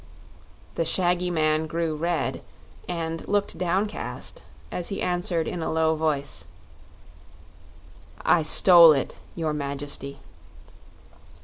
The shaggy man grew red and looked downcast, as he answered in a low voice: "I stole it, your Majesty."